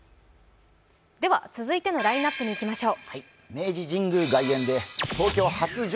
続いてのラインナップにいきましょう。